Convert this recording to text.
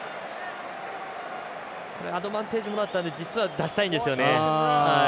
アドバンテージもらったんで実は、出したいんですね。